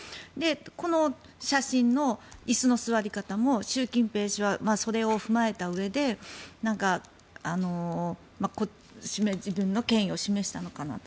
この写真の椅子の座り方も習近平氏はそれを踏まえたうえで自分の権威を示したのかなと。